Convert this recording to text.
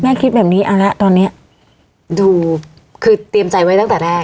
คิดแบบนี้เอาละตอนเนี้ยดูคือเตรียมใจไว้ตั้งแต่แรก